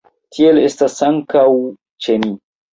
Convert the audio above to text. Tiel estas ankaŭ ĉe ni.